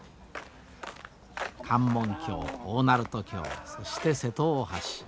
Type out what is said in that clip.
関門橋大鳴門橋そして瀬戸大橋。